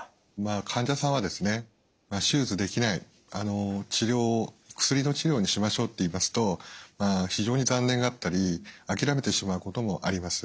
患者さんは「手術できない治療を薬の治療にしましょう」って言いますと非常に残念がったり諦めてしまうこともあります。